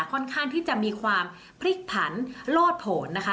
ค่อนข้างที่จะมีความพลิกผันโลดผลนะคะ